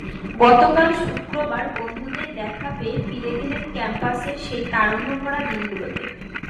গতকাল শুক্রবার বন্ধুদের দেখা পেয়ে ফিরে গেলেন ক্যাম্পাসের সেই তারুণ্যভরা দিনগুলোতে।